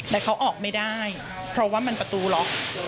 แต่เขาออกไม่ได้เพราะว่ามันประตูล็อก